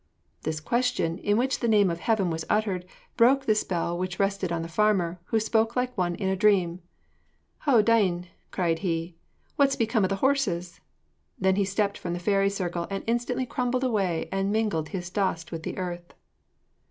This question, in which the name of Heaven was uttered, broke the spell which rested on the farmer, who spoke like one in a dream: 'O dyn!' cried he, 'what's become of the horses?' Then he stepped from the fairy circle and instantly crumbled away and mingled his dust with the earth.